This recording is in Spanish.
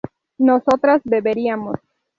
nosotras beberíamos